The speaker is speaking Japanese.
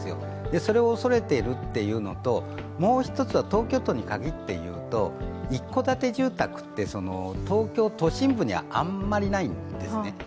それを恐れているというのともう１つは東京都に限って言うと一戸建て住宅って東京都心部にあまりないんですね。